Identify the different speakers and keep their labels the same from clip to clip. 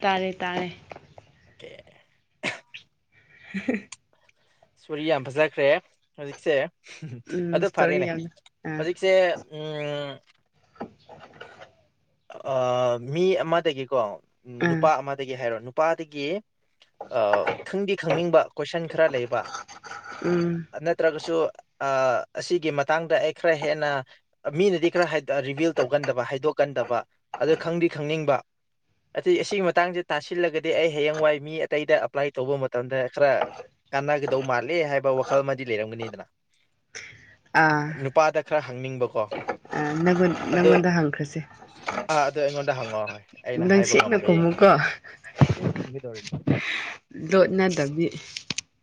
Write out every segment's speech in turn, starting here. Speaker 1: ꯇꯥꯔꯦ ꯇꯥꯔꯦ
Speaker 2: ꯑꯣꯀꯦ
Speaker 1: ꯍ
Speaker 2: ꯁꯣꯔꯤ ꯌꯥꯝ ꯐꯖꯈ꯭ꯔꯦ ꯍꯧꯖꯤꯛꯁꯦ
Speaker 1: ꯎꯝ
Speaker 2: ꯑꯗꯨ
Speaker 1: ꯏꯁꯇꯣꯔꯤ
Speaker 2: ꯐꯔꯦꯅꯦ
Speaker 1: ꯌꯥꯝꯅ ꯑꯥ
Speaker 2: ꯍꯧꯖꯤꯛꯁꯦ ꯎꯝ ꯃꯤ ꯑꯃꯗꯒꯤꯀꯣ
Speaker 1: ꯑꯥ
Speaker 2: ꯅꯨꯄꯥ ꯑꯃꯗꯒꯤ ꯍꯥꯏꯔꯣ ꯅꯨꯄꯥꯗꯒꯤ ꯈꯪꯗꯤ ꯈꯪꯅꯤꯡꯕ ꯀꯣꯏꯁꯟ ꯈꯔ ꯂꯩꯕ
Speaker 1: ꯎꯝ
Speaker 2: ꯑꯠꯇ꯭ꯔ ꯀꯁꯨ ꯑꯁꯤꯒꯤ ꯃꯇꯥꯡꯗ ꯑꯩ ꯈꯔ ꯍꯦꯟꯅ ꯃꯤꯅꯗꯤ ꯈꯔ ꯔꯤꯕꯤꯜ ꯇꯧꯒꯟꯗꯕ ꯍꯥꯏꯗꯣꯛ ꯀꯟꯗꯕ ꯑꯗꯨ ꯈꯪꯗꯤ ꯈꯪꯅꯤꯡꯕ ꯑꯁꯤ ꯑꯁꯤꯒꯤ ꯃꯇꯥꯡꯁꯦ ꯇꯥꯁꯤꯜꯂꯒꯗꯤ ꯑꯩ ꯍꯌꯦꯡꯋꯥꯏ ꯃꯤ ꯑꯇꯩꯗ ꯑꯄ꯭ꯂꯥꯏ ꯇꯧꯕ ꯃꯇꯝꯗ ꯈꯔ ꯀꯥꯟꯅꯒꯗꯧ ꯃꯥꯜꯂꯦ ꯍꯥꯏꯕ ꯋꯥꯈꯜ ꯑꯃꯗꯤ ꯂꯩꯔꯝꯒꯅꯤꯗꯅ
Speaker 1: ꯑꯥ
Speaker 2: ꯅꯨꯄꯥꯗ ꯈꯔ ꯍꯪꯅꯤꯡꯕꯀꯣ
Speaker 1: ꯪ ꯅꯪꯉꯣꯟꯗ ꯍꯪꯈ꯭ꯔꯁꯦ
Speaker 2: ꯑ ꯑꯗꯨ ꯑꯩꯉꯣꯟꯗ ꯍꯪꯉꯣꯑꯣ ꯍꯣꯏ
Speaker 1: ꯅꯪ ꯁꯦꯡꯅ ꯈꯣꯃꯨꯀꯣ
Speaker 2: ꯒꯤ ꯇꯧꯔ
Speaker 1: ꯂꯣꯠꯅꯗꯕꯤ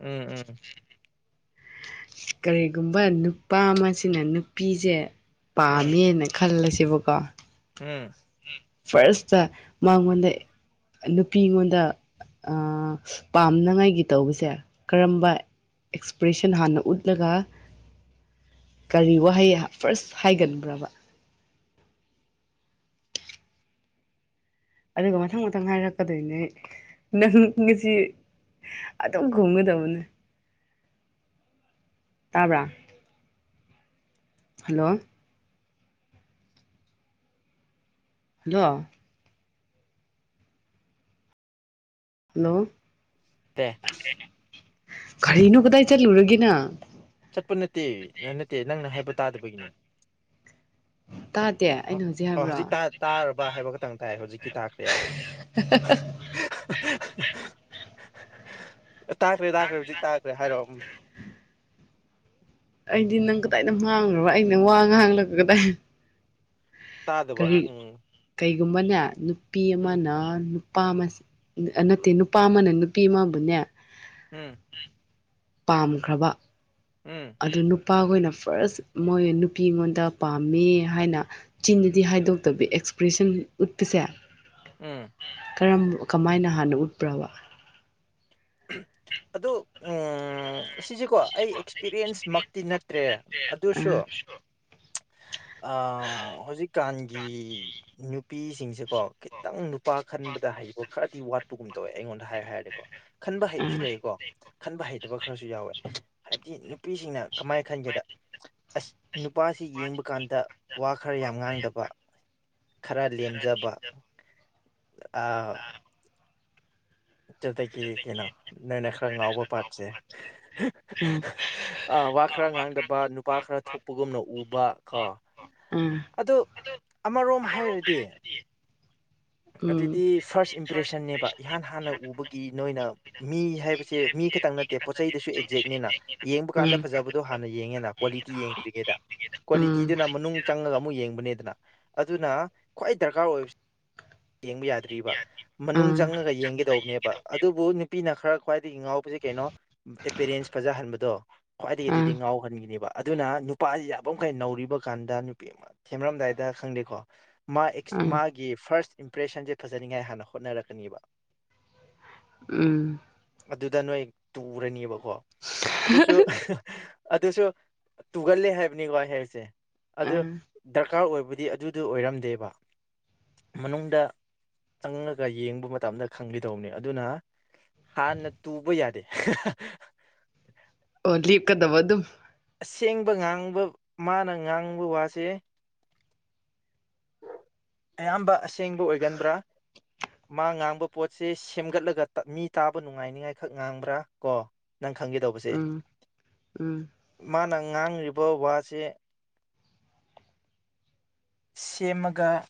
Speaker 2: ꯎꯝ ꯎꯝ
Speaker 1: ꯀꯔꯤꯒꯨꯝꯕ ꯅꯨꯄꯥ ꯑꯃꯁꯤꯅ ꯅꯨꯄꯤꯁꯦ
Speaker 2: ꯎꯝ
Speaker 1: ꯄꯥꯝꯃꯦꯅ ꯈꯜꯂꯁꯦꯕꯀꯣ
Speaker 2: ꯎꯝ
Speaker 1: ꯐꯥꯔꯁꯇ ꯃꯥꯉꯣꯟꯗ ꯅꯨꯄꯤ ꯑꯩꯉꯣꯟꯗ ꯄꯥꯝꯅꯉꯥꯏꯒꯤ ꯇꯧꯕꯁꯦ ꯀꯔꯝꯕ ꯑꯦꯁꯄ꯭ꯔꯦꯁꯟ ꯍꯥꯟꯅ ꯎꯠꯂꯒ ꯀꯔꯤ ꯋꯥꯍꯩ ꯐꯥꯔꯁ ꯍꯥꯏꯒꯟꯕ꯭ꯔꯕ ꯑꯗꯨꯒ ꯃꯊꯪ ꯃꯊꯪ ꯍꯥꯏꯔꯛꯀꯗꯣꯏꯅꯦ ꯅꯪ ꯉꯁꯤ ꯑꯗꯨ ꯑꯗꯨꯣ ꯈꯉꯨꯗꯧꯅ ꯇꯥꯕ꯭ꯔꯥ ꯍꯜꯂꯣ ꯍꯜꯂꯣ ꯍꯜꯂꯣ
Speaker 2: ꯑꯦ
Speaker 1: ꯈꯔꯤꯅꯣ ꯀꯗꯥꯏ ꯆꯠꯂꯨꯔꯒꯦ ꯅꯪ
Speaker 2: ꯆꯠꯄ ꯅꯠꯇꯦ ꯅꯠꯇꯦ ꯅꯪꯅ ꯍꯥꯏꯕ ꯇꯥꯗꯕꯒꯤꯅꯦ
Speaker 1: ꯇꯥꯗꯦ ꯑꯩꯅ
Speaker 2: ꯑ
Speaker 1: ꯍꯥꯏꯕ꯭ꯔꯣ
Speaker 2: ꯍꯧꯖꯤꯛ ꯇꯥꯔꯕ ꯍꯥꯏꯕ ꯈꯛꯇꯪ ꯇꯥꯏ ꯍꯧꯖꯤꯛꯇꯤ ꯇꯥꯈ꯭ꯔꯦ ꯌꯥꯔꯦ
Speaker 1: [inaudible]
Speaker 2: ꯇꯥꯛꯈ꯭ꯔꯦ ꯇꯥꯛꯈ꯭ꯔꯦ ꯍꯧꯖꯤꯛ ꯇꯥꯛꯈ꯭ꯔꯦ ꯍꯥꯏꯔꯣꯑꯣ ꯎꯝ
Speaker 1: ꯑꯩꯗꯤ ꯅꯪ ꯀꯗꯥꯏꯗ ꯃꯥꯡꯈ꯭ꯔꯕ ꯑꯩꯅ ꯋꯥ ꯉꯥꯡꯂꯒ ꯀꯗꯥꯏ ꯀꯔꯤ
Speaker 2: ꯇꯥꯗꯨꯕ ꯎꯝ
Speaker 1: ꯀꯩꯒꯨꯝꯕꯅꯦ ꯅꯨꯄꯤ
Speaker 2: ꯎꯝ
Speaker 1: ꯑꯃꯅ ꯅꯨꯄꯥ ꯑꯃ ꯅꯠꯇꯦ ꯅꯨꯄꯥ ꯑꯃꯅ ꯅꯨꯄꯤ ꯑꯃꯕꯨꯅꯦ
Speaker 2: ꯎꯝ
Speaker 1: ꯄꯥꯝꯈ꯭ꯔꯕ
Speaker 2: ꯎꯝ
Speaker 1: ꯑꯗꯨ ꯅꯨꯄꯥ ꯈꯣꯏꯅ ꯐꯥꯔꯁ ꯃꯣꯏ ꯅꯨꯄꯤꯉꯣꯟꯗ ꯄꯥꯝꯃꯦ ꯍꯥꯏꯅ ꯆꯤꯟꯗꯗꯤ ꯍꯥꯏꯗꯣꯛꯇꯕꯤ ꯑꯦꯛꯁꯄ꯭ꯔꯦꯁꯟ ꯎꯠꯄꯁꯦ
Speaker 2: ꯎꯝ
Speaker 1: ꯀꯔ ꯀꯃꯥꯏꯅ ꯍꯥꯟꯅ ꯎꯠꯄ꯭ꯔꯕ
Speaker 2: ꯑꯗꯨ ꯑꯁꯤꯁꯤꯀꯣ ꯑꯩ ꯑꯦꯛꯁꯄꯤꯔꯤꯌꯦꯟꯁ ꯃꯛꯇꯤ ꯅꯠꯇ꯭ꯔꯦ ꯑꯗꯨꯁꯨ ꯍꯧꯖꯤꯛꯀꯥꯟꯒꯤ ꯅꯨꯄꯤꯁꯤꯡꯁꯦꯀꯣ ꯈꯤꯇꯪ ꯅꯨꯄꯥ ꯈꯟꯕꯗ ꯍꯩꯕ ꯈꯔꯗꯤ ꯋꯥꯠ ꯒꯨꯝ ꯇꯧꯋꯦ ꯑꯩꯉꯣꯟꯗ ꯍꯥꯏꯌꯨ ꯍꯥꯏꯔꯗꯤꯀꯣ ꯈꯟꯕ
Speaker 1: ꯎꯝ ꯎꯝ ꯎꯝ ꯎꯝ ꯎꯝ ꯎꯝ ꯎꯝ
Speaker 2: ꯍꯩꯕꯁꯤꯁꯨ ꯂꯩꯌꯦꯀꯣ ꯈꯟꯕ ꯍꯩ ꯍꯩꯇꯕ ꯈꯔꯁꯨ ꯌꯥꯎꯋꯦ ꯍꯥꯏꯕꯗꯤ ꯅꯨꯄꯤꯁꯤꯡꯅ ꯀꯃꯥꯏꯅ ꯈꯟꯒꯦꯗ ꯑꯁ ꯅꯨꯄꯥꯁꯤ ꯌꯦꯡꯕ ꯀꯥꯟꯗ ꯋꯥ ꯈꯔ ꯌꯥꯝ ꯉꯥꯡꯗꯕ ꯈꯔ ꯂꯦꯝꯖꯕ ꯑꯥ ꯑꯗꯨꯗꯒꯤ ꯀꯩꯅꯣ ꯅꯣꯏꯅ ꯈꯔ ꯉꯥꯎꯕ ꯄꯥꯝꯕꯁꯦ ꯋꯥ ꯈꯔ ꯉꯥꯡꯗꯕ ꯅꯨꯄꯥ ꯈꯔ ꯊꯣꯛꯄꯒꯨꯝꯅ ꯎꯕ ꯀꯣ
Speaker 1: ꯑꯥꯝ
Speaker 2: ꯑꯗꯨ ꯑꯃꯔꯣꯝ ꯍꯥꯏꯔꯗꯤ ꯑꯗꯨꯗꯤ ꯐꯥꯔꯁ ꯏꯝꯄ꯭ꯔꯦꯁꯟꯅꯦꯕ ꯏꯍꯥꯟ ꯍꯥꯟꯅ ꯎꯕꯒꯤ ꯅꯣꯏꯅ ꯃꯤ ꯍꯥꯏꯕꯁꯦ ꯃꯤ ꯈꯛꯇꯪ ꯅꯠꯇꯦ ꯄꯣꯠ ꯆꯩꯗꯁꯨ ꯑꯦꯛꯖꯦꯛꯅꯤꯅ ꯌꯦꯡꯕ ꯀꯥꯟꯗ ꯐꯖꯕ ꯑꯗꯣ ꯍꯥꯟꯅ ꯌꯦꯡꯉꯦꯅ ꯀ꯭ꯋꯥꯂꯤꯇꯤ ꯌꯦꯡꯗ꯭ꯔꯤꯒꯩꯗ
Speaker 1: ꯎꯝ
Speaker 2: ꯀ꯭ꯋꯥꯂꯤꯇꯤꯗꯨꯅ ꯃꯅꯨꯡ ꯆꯪꯉꯒ ꯑꯃꯨꯛ ꯌꯦꯡꯕꯅꯦꯗꯅ ꯑꯗꯨꯅ ꯈ꯭ꯋꯥꯏ ꯗꯔꯀꯥꯔ ꯑꯣꯏꯕꯁꯤ ꯌꯦꯡꯕ ꯌꯥꯗ꯭ꯔꯤꯕ ꯃꯅꯨꯡ ꯆꯪꯉꯒ ꯌꯦꯡꯒꯗꯧꯕꯅꯦꯕ ꯑꯗꯨꯕꯨ ꯅꯨꯄꯤꯅ ꯈꯔ ꯈ꯭ꯋꯥꯏꯗꯒꯤ ꯉꯥꯎꯕꯁꯤ ꯀꯩꯅꯣ ꯑꯦꯄꯦꯔꯦꯟꯁ ꯐꯖꯍꯟꯕꯗꯣ ꯈ꯭ꯋꯥꯏꯗꯒꯤ ꯑꯗꯨꯗꯤ ꯉꯥꯎꯍꯟꯈꯤꯅꯦꯕ ꯑꯗꯨꯅ ꯅꯨꯄꯥꯁꯤ ꯌꯥꯕꯃꯈꯩ ꯅꯧꯔꯤꯕ ꯀꯥꯟꯗ ꯅꯨꯄꯤ ꯑꯃ ꯊꯦꯝꯔꯝꯗꯥꯏꯗ ꯈꯪꯗꯦꯀꯣ
Speaker 1: ꯎꯝ ꯎꯝ
Speaker 2: ꯃꯥꯒꯤ ꯐꯥꯔꯁ ꯏꯝꯄ꯭ꯔꯦꯁꯟꯁꯦ ꯐꯖꯅꯤꯉꯥꯏ ꯍꯥꯟꯅ ꯍꯣꯠꯅꯔꯛꯀꯅꯤꯕ
Speaker 1: ꯎꯝ
Speaker 2: ꯑꯗꯨꯗ ꯅꯣꯏ ꯇꯨꯔꯅꯤꯕꯀꯣ ꯑꯗꯨꯁꯨ ꯑꯗꯨꯁꯨ ꯇꯨꯒꯜꯂꯦ ꯍꯥꯏꯕꯅꯤꯒꯣ ꯑꯩꯅ ꯍꯥꯢꯁꯦ ꯑꯗꯨ ꯗꯔꯀꯥꯔ ꯑꯣꯏꯕꯗꯤ ꯑꯗꯨꯗꯣ ꯑꯣꯏꯔꯝꯗꯦꯕ ꯃꯅꯨꯡꯗ ꯆꯪꯉꯒ ꯌꯦꯡꯕ ꯃꯇꯝꯗ ꯈꯪꯒꯗꯧꯅꯤ ꯑꯗꯨꯅ ꯍꯥꯥꯟꯅ ꯇꯨꯕ ꯌꯥꯗꯦ
Speaker 1: ꯑꯣ ꯂꯤꯞꯀꯗꯧꯕ ꯑꯗꯨꯝ
Speaker 2: ꯑꯁꯦꯡꯕ ꯉꯥꯡꯕ ꯃꯥꯅ ꯉꯥꯡꯕ ꯋꯥꯁꯦ ꯑꯌꯥꯝꯕ ꯑꯁꯦꯡꯕ ꯑꯣꯏꯒꯟꯕ꯭ꯔꯥ ꯃꯥ ꯉꯥꯡꯕ ꯄꯣꯠꯁꯦ ꯁꯦꯝꯒꯠꯂꯒ ꯃꯤ ꯇꯥꯕ ꯅꯨꯡꯉꯥꯏꯅꯤꯉꯥꯏꯈꯛ ꯉꯥꯡꯕ꯭ꯔꯥ ꯀꯣ ꯅꯪ ꯈꯪꯒꯦ ꯇꯧꯕꯁꯦ
Speaker 1: ꯎꯝ ꯎꯝ
Speaker 2: ꯃꯥꯅ ꯉꯥꯡꯉ꯭ꯔꯤꯕ ꯋꯥꯁꯦ ꯁꯦꯝꯃꯒ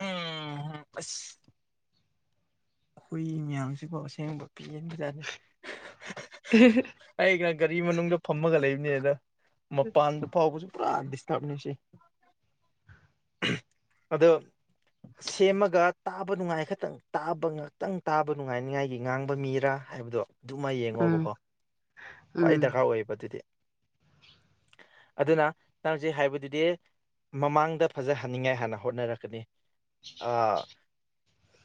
Speaker 2: ꯎꯝ ꯑꯁ ꯍꯨꯏ ꯃꯌꯥꯝꯁꯤꯕꯨ ꯑꯁꯦꯡꯕ ꯄꯦꯟꯕꯖꯥꯠꯅꯦ
Speaker 1: ꯎ [inaudible]
Speaker 2: ꯑꯩꯩꯅ ꯒꯥꯔꯤ ꯃꯅꯨꯡꯗ ꯐꯝꯃꯒ ꯂꯩꯕꯅꯤꯅ ꯃꯄꯥꯟꯗ ꯐꯥꯎꯕꯁꯨ ꯄꯨꯔꯥ ꯗꯤꯁꯇꯔꯕꯅꯦ ꯁꯤ ꯑꯗꯣ ꯁꯦꯝꯃꯒ ꯇꯥꯕ ꯅꯨꯡꯉꯥꯏ ꯈꯛꯇꯪ ꯇꯥꯕ ꯉꯥꯛꯇꯪ ꯇꯥꯕ ꯅꯨꯡꯉꯥꯏꯅꯤꯉꯥꯏꯒꯤ ꯉꯥꯡꯕ ꯃꯤꯔꯥ ꯍꯥꯏꯕꯗꯣ ꯑꯗꯨꯃ
Speaker 1: ꯎꯝ
Speaker 2: ꯌꯦꯡꯉꯣꯕꯀꯣ ꯈ꯭ꯋꯥꯏ ꯗꯔꯀꯥꯔ ꯑꯣꯏꯌꯦꯕ ꯑꯗꯨꯗꯤ ꯑꯗꯨꯅ ꯅꯪꯁꯦ ꯍꯥꯏꯕꯗꯨꯗꯤ ꯃꯃꯥꯡꯗ ꯐꯖꯍꯟꯅꯤꯡꯉꯥꯏ ꯍꯥꯟꯅ ꯍꯣꯠꯅꯔꯛꯀꯅꯤ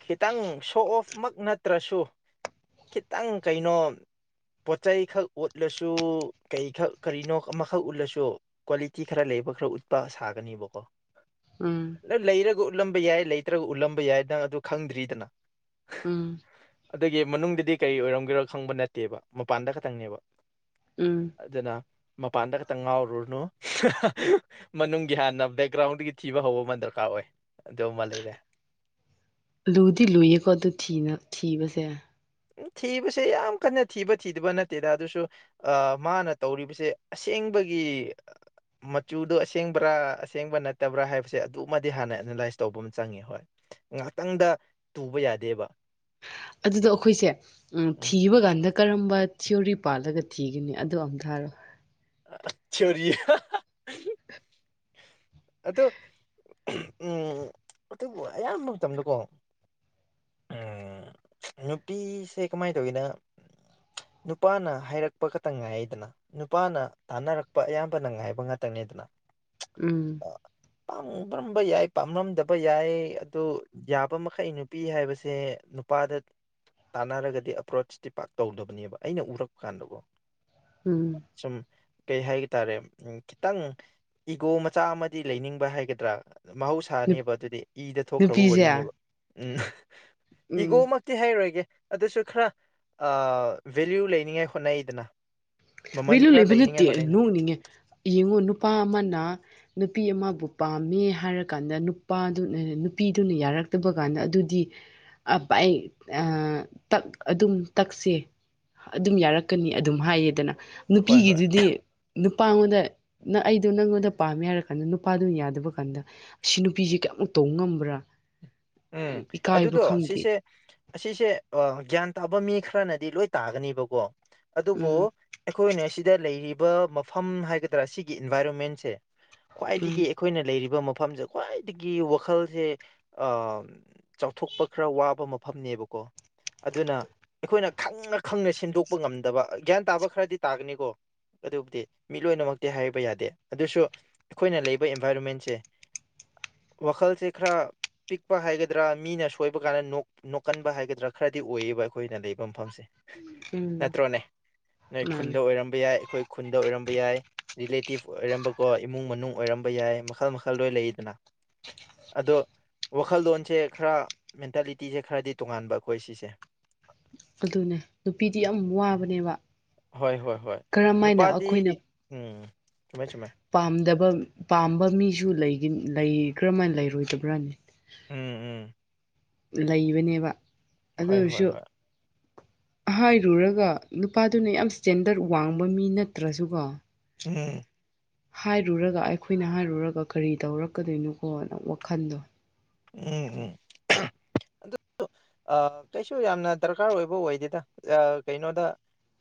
Speaker 2: ꯈꯤꯇꯪ ꯁꯣ ꯑꯣꯐꯃꯛ ꯅꯠꯇ꯭ꯔꯁꯨ ꯈꯤꯇꯪ ꯀꯩꯅꯣ ꯄꯣꯠ ꯆꯩꯩꯈꯛ ꯎꯠꯂꯁꯨ ꯀꯩꯈꯛ ꯀꯔꯤꯅꯣ ꯑꯃꯈꯛ ꯎꯠꯂꯁꯨ ꯀ꯭ꯋꯥꯂꯤꯇꯤ ꯈꯔ ꯂꯩꯕ ꯈꯔ ꯎꯠꯄ ꯁꯥꯒꯅꯤꯕꯀꯣ
Speaker 1: ꯎꯝ
Speaker 2: ꯂꯩꯔꯒ ꯎꯠꯂꯝꯕ ꯌꯥꯏ ꯂꯩꯇ꯭ꯔꯒ ꯎꯠꯂꯝꯕ ꯌꯥꯏ ꯅꯪ ꯑꯗꯨ ꯈꯪꯗ꯭ꯔꯤꯗꯅ
Speaker 1: ꯎꯝ
Speaker 2: ꯑꯗꯨꯒꯤ ꯃꯅꯨꯡꯗꯗꯤ ꯀꯔꯤ ꯑꯣꯏꯔꯝꯒꯦꯔꯣ ꯈꯪꯕ ꯅꯠꯇꯦꯕ ꯃꯄꯥꯟꯗ ꯈꯛꯇꯪꯅꯦꯕ
Speaker 1: ꯎꯝ
Speaker 2: ꯑꯗꯨꯅ ꯃꯄꯥꯟꯗ ꯈꯛꯇꯪ ꯉꯥꯎꯔꯨꯔꯅꯨ ꯃꯅꯨꯡꯒꯤ ꯍꯥꯟꯅ ꯕꯦꯛꯒ꯭ꯔꯥꯎꯟꯗꯒꯤ ꯊꯤꯕ ꯍꯧꯕ ꯑꯃ ꯗꯔꯀꯥꯔ ꯑꯣꯏ ꯑꯗꯨ ꯑꯃ ꯂꯩꯔꯦ
Speaker 1: ꯂꯨꯗꯤ ꯂꯨꯏꯌꯦꯀꯣ ꯑꯗꯨ ꯊꯤꯕꯁꯦ
Speaker 2: ꯎ ꯊꯤꯕꯁꯦ ꯌꯥꯝ ꯀꯟꯅ ꯊꯤꯕ ꯊꯤꯗꯕ ꯅꯠꯇꯦꯗ ꯑꯗꯨꯁꯨ ꯃꯥꯅ ꯇꯧꯔꯤꯕꯁꯦ ꯑꯁꯦꯡꯕꯒꯤ ꯃꯆꯨꯗꯣ ꯑꯁꯦꯡꯕ꯭ꯔꯥ ꯑꯁꯦꯡꯕ ꯅꯠꯇꯕ꯭ꯔꯥ ꯍꯥꯏꯕꯁꯦ ꯑꯗꯨꯃꯗꯤ ꯍꯥꯟꯅ ꯑꯦꯅꯥꯂꯥꯏꯁ ꯇꯧꯕ ꯑꯃ ꯆꯪꯉꯦ ꯍꯣꯏ ꯉꯍꯥꯛꯇꯪꯗ ꯇꯨꯕ ꯌꯥꯗꯦꯕ
Speaker 1: ꯑꯗꯨꯗꯣ ꯑꯩꯈꯣꯏꯁꯦ
Speaker 2: ꯎꯝ
Speaker 1: ꯊꯤꯕ ꯀꯥꯟꯗ ꯀꯔꯝꯕ ꯊꯤꯑꯣꯔꯤ ꯄꯥꯜꯂꯒ ꯊꯤꯒꯅꯤ ꯑꯗꯨ ꯑꯝ ꯊꯥꯔꯣ
Speaker 2: ꯑꯥ ꯆꯔꯤ
Speaker 1: [unintelligible]
Speaker 2: ꯑꯗꯨ ꯎꯝ ꯑꯗꯨꯕꯨ ꯑꯌꯥꯝꯕ ꯃꯇꯝꯗꯀꯣ ꯎꯝ ꯅꯨꯄꯤꯁꯦ ꯀꯃꯥꯏꯅ ꯇꯧꯋꯤꯅ ꯅꯨꯄꯥꯅ ꯍꯥꯏꯔꯛꯄ ꯈꯛꯇꯪ ꯉꯥꯏꯗꯅ ꯅꯨꯄꯥꯅ ꯇꯥꯅꯔꯛꯄ ꯑꯌꯥꯝꯕꯅ ꯉꯥꯏꯕ ꯉꯥꯛꯇꯅꯤꯗꯅ
Speaker 1: ꯎꯝ
Speaker 2: ꯄꯥꯝꯔꯝꯕ ꯌꯥꯏ ꯄꯥꯝꯔꯝꯗꯕ ꯌꯥꯏ ꯑꯗꯨ ꯌꯥꯕ ꯃꯈꯩ ꯅꯨꯄꯤ ꯍꯥꯏꯕꯁꯦ ꯅꯨꯄꯥꯗ ꯇꯥꯟꯅꯔꯒꯗꯤ ꯑꯦꯄ꯭ꯔꯣꯆꯇꯤ ꯄꯥꯛ ꯇꯧꯗꯕꯅꯦꯕ ꯑꯩꯅ ꯎꯔꯛꯄ ꯀꯥꯟꯗꯀꯣ
Speaker 1: ꯎꯝ
Speaker 2: ꯁꯨꯝ ꯀꯩ ꯍꯥꯏꯒ ꯇꯥꯔꯦ ꯎꯝ ꯈꯤꯇꯪ ꯏꯒꯣ ꯆꯥ ꯑꯃꯗꯤ ꯂꯩꯅꯤꯡꯕ ꯍꯥꯏꯒꯗ꯭ꯔꯥ
Speaker 1: ꯅꯨ-
Speaker 2: ꯃꯍꯧꯁꯥꯅꯦꯕ ꯑꯗꯨꯗꯤ ꯏꯗ ꯊꯣꯛꯈ꯭ꯔꯕ
Speaker 1: ꯅꯨꯄꯤꯁꯦ
Speaker 2: ꯋꯥꯔꯤꯅꯦꯕ ꯎꯝ ꯏꯒꯣ
Speaker 1: ꯎꯝ
Speaker 2: ꯃ ꯇꯨꯇꯤ ꯍꯥꯏꯔꯣꯏꯒꯦ ꯑꯗꯨꯁꯨ ꯈꯔ ꯚꯦꯂꯌꯨ ꯂꯩꯅꯤꯡꯉꯥꯏ ꯍꯣꯠꯅꯩꯗꯅ ꯃꯃꯜ
Speaker 1: ꯚꯦꯂꯨ
Speaker 2: ꯈꯔ
Speaker 1: ꯂꯩꯕ ꯅꯠꯇꯦ
Speaker 2: ꯂꯩꯅꯤꯡꯉꯥꯏ ꯍꯣꯠꯅꯩꯅ
Speaker 1: ꯅꯣꯛꯅꯤꯡꯉꯦ ꯌꯦꯡꯉꯣ ꯅꯨꯄꯥ ꯑꯃꯅ ꯅꯨꯄꯤ ꯑꯃꯕꯨ ꯄꯥꯝꯃꯦ ꯍꯥꯏꯔꯀꯥꯟꯗ ꯅꯨꯄꯥꯗꯨꯅ ꯅꯨꯄꯤꯗꯨꯅ ꯌꯥꯔꯛꯇꯕ ꯀꯥꯟꯗ ꯑꯗꯨꯗꯤ ꯑ ꯇꯛ ꯑꯗꯨꯝ ꯇꯛꯁꯦ ꯑꯗꯨꯝ ꯌꯥꯔꯛꯀꯅꯤ ꯑꯗꯨꯝ ꯍꯥꯏꯌꯦꯗꯅ
Speaker 2: ꯍꯣꯏ ꯍꯣꯏ
Speaker 1: ꯅꯨꯄꯤꯒꯤꯗꯨꯗꯤ ꯅꯨꯄꯥꯉꯣꯟꯗ ꯑꯩꯗꯣ ꯅꯪꯉꯣꯟꯗ ꯄꯥꯝꯃꯦ ꯍꯥꯏꯔ ꯀꯥꯟꯗ ꯅꯨꯄꯥꯗꯨꯅ ꯌꯥꯗꯕ ꯀꯥꯟꯗ ꯁꯤ ꯅꯨꯄꯤꯁꯦ ꯀꯌꯥꯃꯨꯛ ꯇꯧꯕ ꯉꯝꯕ꯭ꯔꯥ
Speaker 2: ꯎꯝ
Speaker 1: ꯏꯀꯥꯏꯕ
Speaker 2: ꯑꯗꯨꯗꯣ
Speaker 1: ꯈꯪꯗꯦ
Speaker 2: ꯁꯤꯁꯦ ꯑꯁꯤꯁꯦ ꯒ꯭ꯌꯥꯟ ꯇꯥꯕ ꯃꯤ ꯈꯔꯅꯗꯤ ꯂꯣꯏ ꯇꯥꯒꯅꯤꯕꯀꯣ ꯑꯗꯨꯕꯨ
Speaker 1: ꯎꯝ
Speaker 2: ꯑꯩꯈꯣꯏꯅ ꯁꯤꯗ ꯂꯩꯔꯤꯕ ꯃꯐꯝ ꯍꯥꯏꯒꯗ꯭ꯔꯥ ꯁꯤꯒꯤ ꯏꯟꯚꯥꯏꯔꯣꯟꯃꯦꯟꯁꯦ ꯈ꯭ꯋꯥꯏꯗꯒꯤ
Speaker 1: ꯎꯝ
Speaker 2: ꯑꯩꯈꯣꯏꯅ ꯂꯩꯔꯤꯕ ꯃꯐꯝꯁꯦ ꯈ꯭ꯋꯥꯏꯗꯒꯤ ꯋꯥꯈꯜꯁꯦ ꯎꯝ ꯆꯥꯎꯊꯣꯛꯄ ꯈꯔ ꯋꯥꯕ ꯃꯐꯝꯅꯦꯕꯀꯣ ꯑꯗꯨꯅ ꯑꯩꯈꯣꯏꯅ ꯈꯪꯅ ꯈꯪꯅ ꯁꯦꯝꯗꯣꯛꯄ ꯉꯝꯗꯕ ꯒ꯭ꯌꯥꯟ ꯇꯥꯕ ꯈꯔꯗꯤ ꯇꯥꯒꯅꯤꯀꯣ ꯑꯗꯨꯕꯨꯗꯤ ꯃꯤꯠ ꯂꯣꯏꯅꯃꯛꯇꯤ ꯍꯥꯏꯕ ꯌꯥꯗꯦ ꯑꯗꯨꯁꯨ ꯑꯩꯈꯣꯏꯅ ꯂꯩꯕ ꯑꯦꯟꯚꯥꯏꯔꯣꯟꯃꯦꯟꯁꯦ ꯋꯥꯈꯜꯁꯦ ꯈꯔ ꯐꯛꯄ ꯍꯥꯏꯒꯗ꯭ꯔꯥ ꯃꯤꯅ ꯁꯣꯏꯕ ꯀꯥꯟꯗ ꯅꯣꯛꯀꯟꯕ ꯍꯥꯏꯒꯗ꯭ꯔꯥ ꯈꯔꯗꯤ ꯑꯣꯏꯌꯦꯕ ꯑꯩꯈꯣꯏꯅ ꯂꯩꯕ ꯃꯐꯝꯁꯦ
Speaker 1: ꯎꯝ
Speaker 2: ꯅꯠꯇ꯭ꯔꯣꯅꯦ ꯅꯣꯏ
Speaker 1: ꯃꯥꯅꯦ
Speaker 2: ꯈꯨꯟꯗ ꯑꯣꯏꯔꯝꯕ ꯌꯥꯏ ꯑꯩꯈꯣꯏ ꯈꯨꯟꯗ ꯑꯣꯏꯔꯝꯕ ꯌꯥꯏ ꯔꯤꯂꯦꯇꯤꯞ ꯑꯣꯏꯔꯝꯕꯀꯣ ꯏꯃꯨꯡ ꯃꯅꯨꯡ ꯑꯣꯏꯔꯝꯕ ꯌꯥꯏ ꯃꯈꯜ ꯃꯈꯜ ꯂꯣꯏ ꯂꯩꯗꯅ ꯑꯗꯣ ꯋꯥꯈꯜꯂꯣꯟꯁꯦ ꯈꯔ ꯃꯦꯟꯇꯥꯦꯂꯤꯇꯤꯖꯦ ꯈꯔꯗꯤ ꯇꯣꯉꯥꯟꯕ ꯑꯩꯈꯣꯏ ꯁꯤꯁꯦ
Speaker 1: ꯑꯗꯨꯅꯦ ꯅꯨꯄꯤꯗꯤ ꯌꯥꯝ ꯋꯥꯕꯅꯦꯕ
Speaker 2: ꯍꯣꯏ ꯍꯣꯏ ꯍꯣꯏ
Speaker 1: ꯀꯔꯝ ꯍꯥꯏꯅ
Speaker 2: ꯅꯨꯄꯥꯗꯤ
Speaker 1: ꯑꯩꯈꯣꯏꯅ
Speaker 2: ꯎꯝ ꯆꯨꯝꯃꯦ ꯆꯨꯝꯃꯦ
Speaker 1: ꯄꯥꯝꯗꯕ ꯄꯥꯝꯕ ꯃꯤꯁꯨ ꯂꯩꯒꯅꯤ ꯂ ꯩꯈ꯭ꯔ ꯀꯔꯝꯃꯥꯏ ꯂꯩꯔꯣꯏꯗꯕ꯭ꯔꯥꯅꯦ
Speaker 2: ꯎꯝ ꯎꯝ
Speaker 1: ꯂꯩꯕꯅꯦꯕ ꯑꯗꯨ
Speaker 2: ꯍꯣꯏ ꯍꯣꯏ
Speaker 1: ꯑꯣꯏꯔꯁꯨ
Speaker 2: ꯍꯣꯏ
Speaker 1: ꯍꯥꯏꯔꯨꯔꯒ ꯅꯨꯄꯥꯗꯨꯅ ꯌꯥꯝ ꯁ꯭ꯇꯦꯟꯗꯔꯠ ꯋꯥꯡꯕ ꯃꯤ ꯅꯠꯇ꯭ꯔꯁꯨꯀꯣ
Speaker 2: ꯎꯝ
Speaker 1: ꯍꯥꯏꯔꯨꯔꯒ ꯑꯩꯈꯣꯏꯅ ꯍꯥꯏꯔꯨꯔꯒ ꯀꯔꯤ ꯇꯧꯔꯛꯀꯗꯣꯏꯅꯣꯀꯣꯅ ꯋꯥꯈꯟꯗꯣ
Speaker 2: ꯎꯝ ꯎꯝ ꯑꯗꯨ ꯀꯩꯁꯨ ꯌꯥꯝꯅ ꯗꯔꯀꯥꯔ ꯑꯣꯏꯕ ꯑꯣꯏꯗꯦꯗ ꯀꯩꯅꯣꯗ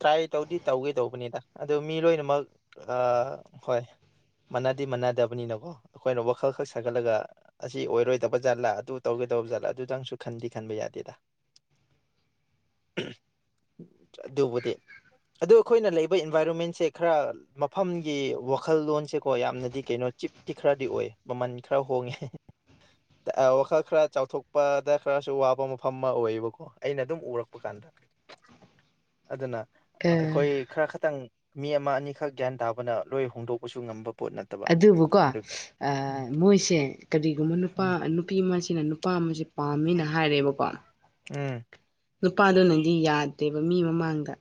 Speaker 2: ꯇ꯭ꯔꯥꯏ ꯇꯧꯗꯤ ꯇꯧꯒꯦ ꯇꯧꯕꯅꯤꯗ ꯑꯗꯨ ꯃꯤ ꯂꯣꯏꯅꯃꯛ ꯍꯣꯏ ꯃꯥꯟꯅꯗꯗꯤ ꯃꯥꯟꯅꯗꯕꯅꯤꯅꯀꯣ ꯑꯩꯈꯣꯏꯅ ꯋꯥꯈꯜ ꯈꯛ ꯁꯥꯒꯠꯂꯒ ꯑꯁꯤ ꯑꯣꯏꯔꯣꯏ ꯇꯕ ꯖꯠꯂꯥ ꯑꯗꯨ ꯇꯧꯒ ꯇꯧꯕ ꯖꯠꯂꯥ ꯑꯗꯨꯗꯪꯁꯨ ꯈꯟꯗꯤ ꯈꯟꯕ ꯌꯥꯗꯦꯗ ꯑꯗꯨꯕꯨꯗꯤ ꯑꯗꯨ ꯑꯩꯈꯣꯏꯅ ꯂꯩꯕ ꯑꯦꯟꯚꯥꯏꯔꯣꯃꯦꯟꯁꯦ ꯈꯔ ꯃꯐꯝꯒꯤ ꯋꯥꯈꯜꯂꯣꯟꯁꯦꯀꯣ ꯌꯥꯝꯅꯗꯤ ꯀꯩꯅꯣ ꯆꯤꯞꯀꯤꯤ ꯈꯔꯗꯤ ꯑꯣꯏ ꯃꯃꯜ ꯈꯔ ꯍꯣꯡꯉꯦ ꯋꯥꯈꯜ ꯈꯔ ꯆꯥꯎꯊꯣꯛꯄꯗ ꯈꯔꯁꯨ ꯋꯥꯕ ꯃꯐꯝ ꯑꯃ ꯑꯣꯏꯌꯦꯕꯀꯣ ꯑꯩꯅ ꯑꯗꯨꯝ ꯎꯔꯛꯄ ꯀꯥꯟꯗ ꯑꯗꯨꯅ
Speaker 1: ꯑꯦ
Speaker 2: ꯑꯩꯈꯣꯏ ꯈꯔ ꯈꯇꯪ ꯃꯤ ꯑꯃ ꯑꯅꯤꯈꯛ ꯒ꯭ꯌꯥꯟ ꯇꯥꯕꯅ ꯂꯣꯏ ꯍꯣꯡꯗꯣꯛꯄꯁꯨ ꯉꯝꯕ ꯄꯣꯠ ꯅꯠꯇꯦ
Speaker 1: ꯑꯗꯨꯕꯨꯀꯣ ꯃꯣꯏꯁꯦ ꯀꯔꯤꯒꯨꯝꯕ ꯅꯨꯄꯥ
Speaker 2: ꯎꯝ
Speaker 1: ꯅꯨꯄꯤ ꯑꯃꯁꯤꯅ ꯅꯨꯄꯥ ꯑꯃꯁꯁꯤ ꯄꯥꯝꯃꯦꯅ ꯍꯥꯏꯔꯦꯕꯀꯣ
Speaker 2: ꯎꯝ
Speaker 1: ꯅꯨꯄꯥꯗꯨꯣ ꯅꯪꯗꯤ ꯌꯥꯗꯦꯕ ꯃꯤ ꯃꯃꯥꯡꯗ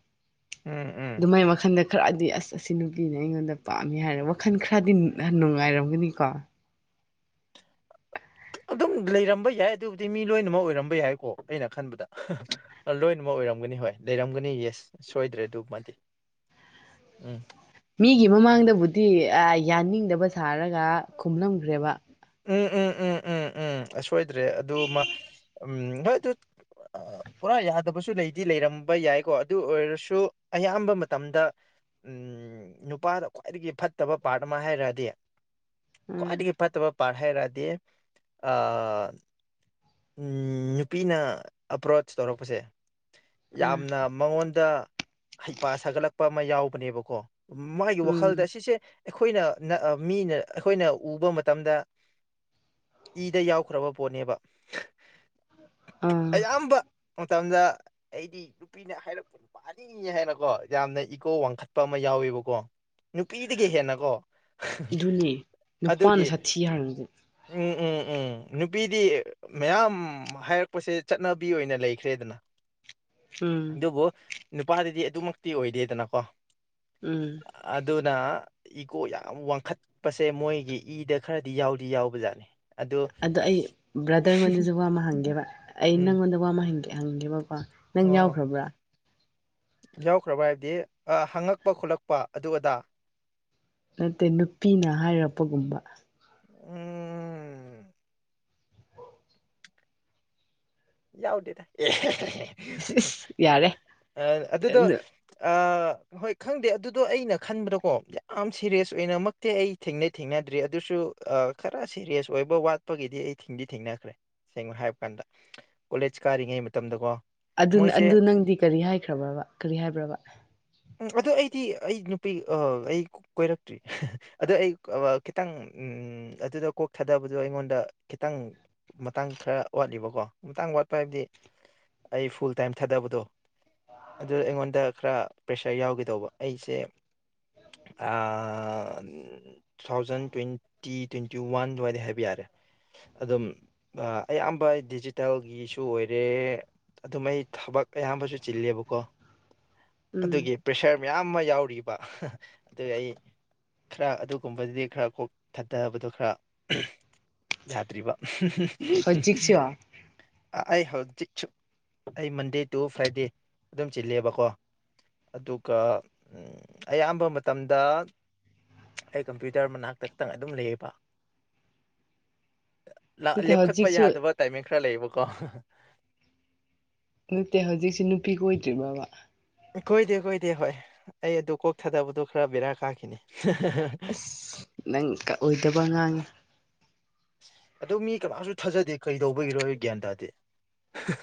Speaker 2: ꯎꯝ ꯎꯝ
Speaker 1: ꯑꯗꯨꯃꯥꯏ ꯋꯥꯈꯟꯗ ꯈꯔꯗꯤ ꯑꯁ ꯑꯁꯤ ꯅꯨꯄꯤꯅ ꯑꯩꯉꯣꯟꯗ ꯄꯥꯝꯃꯤ ꯍꯥꯏꯔ ꯋꯥꯈꯜ ꯈꯔꯗꯤ ꯅꯨꯡꯉꯥꯏꯔꯝꯒꯅꯤꯀꯣ
Speaker 2: ꯑꯗꯨꯝ ꯂꯩꯔꯝꯕ ꯌꯥꯏ ꯑꯗꯨꯕꯨꯗꯤ ꯃꯤ ꯂꯣꯏꯅꯃꯛ ꯑꯣꯏꯔꯝꯕ ꯌꯥꯏꯀꯣ ꯑꯩꯅ ꯈꯟꯕꯗ ꯂꯣꯏꯅꯃꯛ ꯑꯣꯏꯔꯝꯒꯅꯤ ꯍꯣꯏ ꯂꯩꯔꯝꯒꯅꯤ ꯌꯦꯁ ꯁꯣꯏꯗ꯭ꯔꯦ ꯑꯗꯨ ꯃꯥꯗꯤ ꯎꯝ
Speaker 1: ꯃꯤꯒꯤ ꯃꯃꯥꯡꯗꯕꯨꯗꯤ ꯌꯥꯅꯤꯡꯗꯕ ꯁꯥꯔꯒ ꯈꯨꯝꯂꯝꯈ꯭ꯔꯦꯕ
Speaker 2: ꯎꯝ ꯎꯝ ꯎꯝ ꯎꯝ ꯎꯝꯁꯣꯏꯗ꯭ꯔꯦ ꯑꯗꯨ ꯃꯥ ꯎꯝ ꯍꯣꯏ ꯑꯗꯨ ꯐꯖꯅꯥ ꯇꯥꯗꯔꯦ [inaudible] ꯄꯨꯔꯥ ꯌꯥꯗꯕꯁꯨ ꯂꯩꯗꯤ ꯂꯩꯔꯝꯕ ꯌꯥꯏꯀꯣ ꯑꯗꯨ ꯑꯣꯏꯔꯁꯨ ꯑꯌꯥꯝꯕ ꯃꯇꯝꯗ ꯎꯝ ꯅꯨꯄꯥꯗ ꯈ꯭ꯋꯥꯏꯗꯒꯤ ꯐꯠꯇꯕ ꯄꯥꯔꯠ ꯑꯃ ꯍꯥꯏꯔꯛꯗꯤ
Speaker 1: ꯎꯝ
Speaker 2: ꯈ꯭ꯋꯥꯏꯗꯒꯤ ꯐꯠꯇꯕ ꯄꯥꯔ ꯍꯥꯏꯔꯗꯤ ꯑ ꯎ ꯅꯨꯄꯤꯅ ꯑꯄ꯭ꯔꯣꯆ ꯇꯧꯔꯛꯄꯁꯦ
Speaker 1: ꯎꯝ
Speaker 2: ꯌꯥꯝꯅ ꯃꯉꯣꯟꯗ ꯍꯩꯄꯥ ꯁꯥꯒꯠꯂꯛꯄ ꯑꯃ ꯌꯥꯎꯕꯅꯦꯕꯀꯣ ꯃꯥꯒꯤ
Speaker 1: ꯎꯝ
Speaker 2: ꯋꯥꯈꯜꯗ ꯁꯤꯁꯦ ꯑꯩꯈꯣꯏꯅ ꯃꯤꯅ ꯑꯩꯈꯣꯏꯅ ꯎꯕ ꯃꯇꯝꯗ ꯏꯗ ꯌꯥꯎꯈ꯭ꯔꯕ ꯄꯣꯠꯅꯦꯕ
Speaker 1: ꯑꯥ
Speaker 2: ꯑꯌꯥꯝꯕ ꯃꯇꯝꯗ ꯑꯩꯗꯤ ꯅꯨꯄꯤꯅ ꯍꯥꯏꯔꯛꯄ ꯅꯨꯄꯥ ꯍꯥꯏꯅꯤꯡꯉ ꯍꯥꯏꯅꯀꯣ ꯌꯥꯝꯅ ꯏꯀꯣ ꯋꯥꯡꯈꯠꯄ ꯑꯃ ꯌꯥꯎꯋꯦꯕꯀꯣ ꯅꯨꯄꯤꯗꯒꯤ ꯍꯦꯟꯅ ꯀꯣ
Speaker 1: ꯑꯗꯨꯅꯦ ꯅꯨꯄꯥꯅ ꯁꯥꯊꯤ ꯍꯥꯏꯔꯕꯗꯦ
Speaker 2: ꯎꯝ ꯎꯝ ꯎꯝ ꯅꯨꯄꯤꯗꯤ ꯃꯌꯥꯝ ꯍꯥꯏꯔꯛꯄꯁꯦ ꯆꯠꯅꯕꯤ ꯑꯣꯏꯅ ꯂꯩꯈ꯭ꯔꯦꯗꯅ
Speaker 1: ꯎꯝ
Speaker 2: ꯑꯗꯨꯕꯨ ꯅꯨꯄꯥꯗꯗꯤ ꯑꯗꯨꯃꯛꯇꯤ ꯑꯣꯏꯗꯦꯗꯅꯀꯣ
Speaker 1: ꯎꯝ
Speaker 2: ꯑꯗꯨ ꯑꯗꯨꯅ ꯏꯒꯣ ꯌꯥꯝ ꯋꯥꯡꯈꯠꯄꯁꯦ ꯃꯣꯏꯒꯤ ꯏꯗ ꯈꯔꯗꯤ ꯌꯥꯎꯗꯤ ꯌꯥꯎꯕ ꯖꯥꯠꯅꯤ ꯑꯗꯣ
Speaker 1: ꯑꯗꯣ ꯑꯩ ꯕ꯭ꯔꯗꯔꯉꯣꯟꯗꯁꯨ ꯋꯥ ꯑꯃ ꯍꯪꯒꯦꯕ ꯑꯩ
Speaker 2: ꯎꯝ
Speaker 1: ꯅꯪꯉꯣꯟꯗ ꯋꯥ ꯑꯃꯦ ꯍꯪꯒꯦꯕꯀꯣ ꯅꯪ
Speaker 2: ꯑꯣ
Speaker 1: ꯌꯥꯎꯈ꯭ꯔꯕ꯭ꯔꯥ
Speaker 2: ꯌꯥꯎꯈ꯭ꯔꯕ ꯍꯥꯏꯕꯗꯤ ꯍꯪꯉꯛꯄ ꯈꯣꯠꯂꯛꯄ ꯑꯗꯨ ꯑꯗꯥ
Speaker 1: ꯅꯠꯇꯦ ꯅꯨꯄꯤꯅ ꯍꯥꯏꯔꯛꯄꯒꯨꯝꯕ
Speaker 2: ꯎꯝ ꯌꯥꯎꯗꯦꯗ
Speaker 1: ꯑꯁ ꯏꯁ ꯌꯥꯔꯦ
Speaker 2: ꯑ ꯑꯗꯨꯗꯣ ꯑ ꯍꯍꯣꯏ ꯈꯪꯗꯦ ꯑꯗꯨꯗꯣ ꯑꯩꯅ ꯈꯟꯕꯗꯀꯣ ꯌꯥꯝ ꯁꯦꯔꯤꯌꯁ ꯑꯣꯏꯅꯃꯛꯇꯤ ꯑꯩ ꯊꯦꯡꯅꯩ ꯊꯦꯡꯅꯗ꯭ꯔꯤ ꯑꯗꯨꯁꯨ ꯑ ꯈꯔ ꯁꯦꯔꯤꯌꯁ ꯑꯣꯏꯕ ꯋꯥꯠꯄꯒꯤꯗꯤ ꯑꯩ ꯊꯤꯡꯗꯤ ꯊꯦꯡꯅꯈ꯭ꯔꯦ ꯁꯦꯡꯅ ꯍꯥꯏꯕ ꯀꯥꯟꯗ ꯀꯣꯂꯦꯖ ꯀꯥꯔꯤꯉꯩ ꯃꯇꯝꯗꯀꯣ
Speaker 1: ꯑꯗꯨ
Speaker 2: ꯃꯣꯏꯁꯦ
Speaker 1: ꯑꯗꯨ ꯅꯪꯗꯤ ꯀꯔꯤ ꯍꯥꯏꯈ꯭ꯔꯕꯕ ꯀꯔꯤ ꯍꯥꯏꯕ꯭ꯔꯕ
Speaker 2: ꯎꯝ ꯑꯗꯨ ꯑꯩꯗꯤ ꯑꯩ ꯅꯨꯄꯤ ꯑ ꯑꯩ ꯀꯣꯏꯔꯛꯇ꯭ꯔꯤ ꯍꯥ ꯑꯗꯣ ꯑꯩ -ꯑꯥ ꯈꯤꯇꯪ ꯎꯝ ꯑꯗꯨꯗ ꯀꯣꯛ ꯊꯥꯗꯕꯗꯣ ꯑꯩꯉꯣꯟꯗ ꯈꯤꯇꯪ ꯃꯇꯥꯡ ꯈꯔ ꯋꯥꯠꯂꯤꯕꯀꯣ ꯃꯇꯥꯡ ꯋꯥꯠꯄ ꯍꯥꯏꯕꯗꯤ ꯑꯩ ꯐꯨꯜ ꯇꯥꯏꯝ ꯊꯥꯗꯕꯗꯣ ꯑꯗꯨ ꯑꯩꯉꯣꯟꯗ ꯈꯔ ꯄꯩꯁꯥ ꯌꯥꯎꯒꯦ ꯇꯧꯕ ꯑꯩꯁꯦ ꯑ two thousand twenty twenty one ꯑꯗꯨꯋꯥꯏꯗ ꯍꯥꯏꯕ ꯌꯥꯔꯦ ꯑꯗꯨꯝ ꯑꯌꯥꯝꯕ ꯗꯤꯖꯤꯇꯦꯜꯒꯤꯁꯨ ꯑꯣꯏꯔꯦ ꯑꯗꯨꯃꯩ ꯊꯕꯛ ꯑꯌꯥꯝꯕꯁꯨ ꯆꯤꯜꯂꯦꯕꯀꯣ
Speaker 1: ꯎꯝ
Speaker 2: ꯑꯗꯨꯒꯤ ꯄ꯭ꯔꯦꯁꯔ ꯃꯌꯥꯝ ꯑꯃ ꯌꯥꯎꯔꯤꯕ ꯑꯍꯥ ꯑꯗꯨ ꯑꯩ ꯈꯔ ꯑꯗꯨꯒꯨꯝꯕꯗꯗꯤ ꯈꯔ ꯀꯣꯛ ꯊꯥꯗꯕꯗꯣ ꯈꯔ [unintelligible] ꯌꯥꯗ꯭ꯔꯤꯕ
Speaker 1: ꯍꯧꯖꯤꯛꯁꯨ
Speaker 2: [unintelligible] ꯑꯩ ꯍꯧꯖꯤꯛꯁꯨ ꯑꯩ ꯃꯟꯗꯦ ꯇꯨ ꯐ꯭ꯔꯥꯏꯗꯦ ꯑꯗꯨꯝ ꯆꯤꯜꯂꯦꯕꯀꯣ ꯑꯗꯨꯒ ꯎꯝ ꯑꯌꯥꯝꯕ ꯃꯇꯝꯗ ꯑꯩ ꯀꯝꯄ꯭ꯌꯨꯇꯔ ꯃꯅꯥꯛꯇ ꯇꯪ ꯑꯗꯨꯝ ꯂꯩꯌꯦꯕ ꯅ
Speaker 1: ꯅꯠꯇꯦ
Speaker 2: ꯂꯦꯞꯈꯠꯄ
Speaker 1: ꯍꯧꯖꯤꯛꯁꯨ
Speaker 2: ꯌꯥꯗꯕ ꯇꯥꯏꯃꯤꯡ ꯈꯔ ꯂꯩꯌꯦꯕꯀꯣ
Speaker 1: ꯅꯠꯇꯦ ꯍꯧꯖꯤꯛꯁꯤ ꯅꯨꯄꯤ ꯀꯣꯏꯗ꯭ꯔꯤꯕ꯭ꯔꯕ
Speaker 2: ꯀꯣꯏꯗꯦ ꯀꯣꯏꯗꯦ ꯍꯣꯏ ꯑꯩ ꯑꯗꯨ ꯀꯣꯛ ꯊꯥꯗꯕꯗꯣ ꯈꯔ ꯕꯦꯔꯥ ꯀꯥꯈꯤꯅꯤ ꯍꯥꯍꯥꯍꯥ
Speaker 1: ꯑꯁ ꯅꯪ ꯀꯛꯑꯣꯏꯗꯕ ꯉꯥꯡꯉꯦ
Speaker 2: ꯑꯗꯣ ꯃꯤ ꯀꯅꯥꯁꯨ ꯊꯥꯖꯗꯦ ꯀꯔꯤꯗꯧꯕꯒꯤꯔꯣ ꯑꯩꯁꯨ ꯒ꯭ꯌꯥꯟ ꯇꯥꯗꯦ ꯑꯍꯥ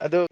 Speaker 2: ꯑꯗꯨ